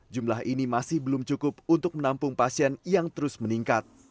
jumlah ini masih belum cukup untuk menampung pasien yang terus meningkat